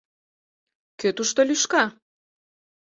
— Кӧ тушто лӱшка?